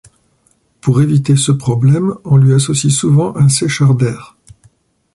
Pour éviter ce problème on lui associe souvent un sécheur d'air.